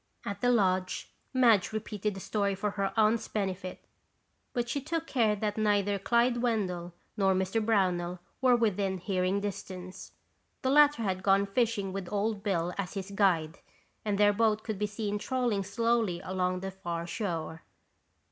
At the lodge, Madge repeated the story for her aunt's benefit but she took care that neither Clyde Wendell nor Mr. Brownell were within hearing distance. The latter had gone fishing with Old Bill as his guide, and their boat could be seen trolling slowly along the far shore.